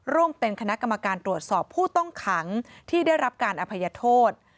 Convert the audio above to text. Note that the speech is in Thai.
ร่วมเป็นคณะกรรมการตรวจสอบผู้ต้องขังที่ได้รับการอภัยโทษ